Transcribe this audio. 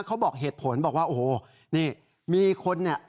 เขาบอกเหตุผลบอกว่าโอ้โหนี่มีคนเนี่ย